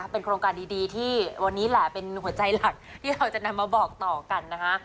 เป็นโครงการดีที่วันนี้แหละเป็นหัวใจหลักที่เราจะนำมาบอกต่อกันนะคะ